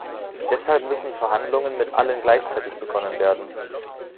Deshalb müssen Verhandlungen mit allen gleichzeitig begonnen werden.